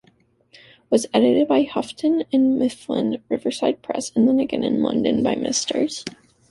was edited by Houghton and Mifflin, Riverside Press, and then again in London by misters